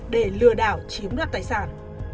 để lừa đảo chiếm đoạt tài sản